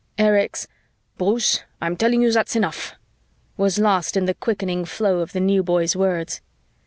Erich's "Bruce, I'm telling you that's enough," was lost in the quickening flow of the New Boy's words.